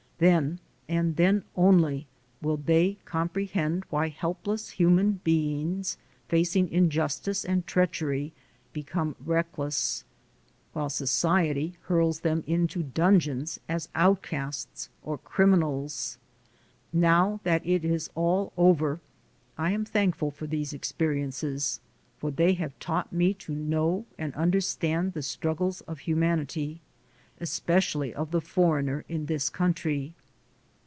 Then and then only will they comprehend why help less human beings, facing injustice and treachery, become reckless ; while society hurls them into 130 THE SOUL OF AN IMMIGRANT dungeons as outcasts or criminals. Now that it is all over, I am thankful for these experiences, for they have taught me to know and understand the struggles of humanity, especially of the "foreigner" in this country.